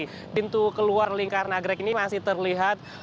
di pintu keluar lingkaranagrek ini masih terlihat